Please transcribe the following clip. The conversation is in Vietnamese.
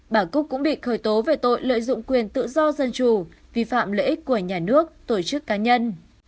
bà cúc cũng bị khởi tố về tội lợi dụng quyền tự do dân chủ vi phạm lợi ích của nhà nước tổ chức cá nhân